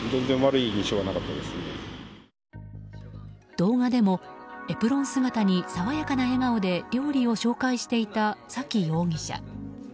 動画でもエプロン姿に爽やかな笑顔で料理を紹介していた崎容疑者。